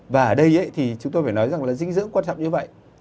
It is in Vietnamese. và ở đây thì chúng tôi phải nói rằng là dinh dưỡng quan trọng như vậy